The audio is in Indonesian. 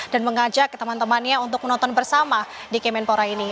dan mengajak teman temannya untuk menonton bersama di kemenpora ini